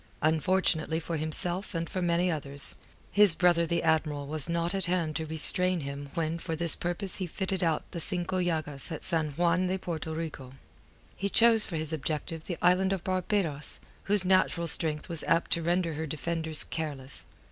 Unfortunately for himself and for many others, his brother the Admiral was not at hand to restrain him when for this purpose he fitted out the Cinco Llagas at San Juan de Porto Rico. He chose for his objective the island of Barbados, whose natural strength was apt to render her defenders careless.